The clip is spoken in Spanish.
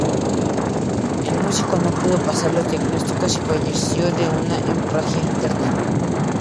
El músico no pudo pasar los diagnósticos y falleció de una hemorragia interna